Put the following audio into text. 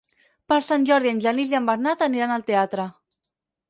Per Sant Jordi en Genís i en Bernat aniran al teatre.